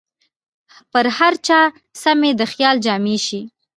پر هر چا سمې د خیال جامې شي